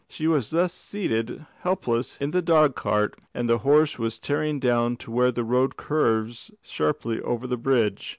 She was thus seated helpless in the dog cart, and the horse was tearing down to where the road curves sharply over the bridge.